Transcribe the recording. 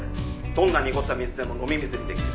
「どんな濁った水でも飲み水にできる」